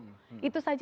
itu saja belum berhasil